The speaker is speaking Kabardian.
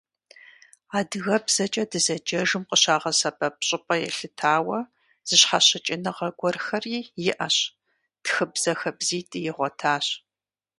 Адыгэбзэкӏэ дызэджэжым къыщагъэсэбэп щӏыпӏэ елъытауэ, зыщхьэщыкӏыныгъэ гуэрхэри иӏэщ, тхыбзэ хабзитӏи игъуэтащ.